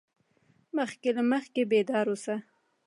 مخکې له مخکې بیدار اوسه.